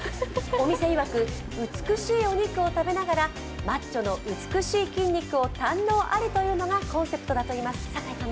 お店いわく美しいお肉を食べながらマッチョの美しい筋肉を堪能あれというのがコンセプトだといいます。